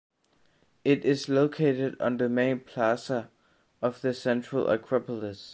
It is located on the Main Plaza of the Central Acropolis.